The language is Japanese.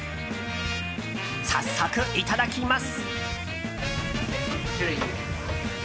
早速いただきます。